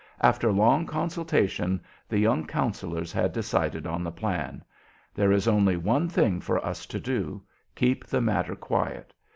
After long consultation the young counsellors had decided on the plan. "There is only one thing for us to do: keep the matter quiet.